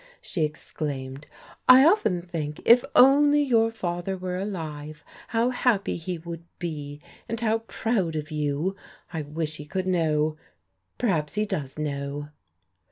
she exclaimed. "I often think, if only your father were alive, how happy he would be, and how proud of you. I wish he could know. Perhaps he does know."